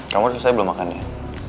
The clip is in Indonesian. kamu selesai belum makan ya